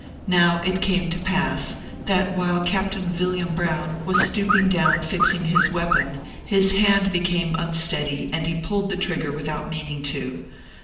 Now it came to pass, that while Captain Villiam Brown was stooping down fixing his weapon, his hand became unsteady, and he pulled the trigger, without meaning to.